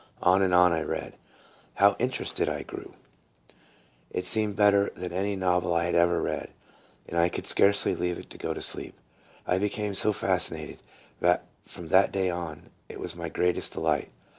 On and on I read. How interested I grew! It seemed better than any novel I had ever read, and I could scarcely leave it to go to sleep. I became so fascinated, that from that day on, it was my greatest delight.